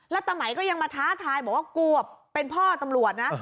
แล้วตะไหมก็ยังมาท้าทายบอกว่ากลัวเป็นพ่อตำรวจนะ